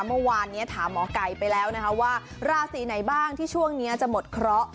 เมื่อวานนี้ถามหมอไก่ไปแล้วนะคะว่าราศีไหนบ้างที่ช่วงนี้จะหมดเคราะห์